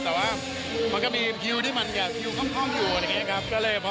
แต่ว่ามันก็มีคิวที่มันอย่างเกี่ยวข้อมอยู่อย่างนี้ครับ